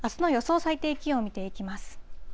最低気温、見ていきます。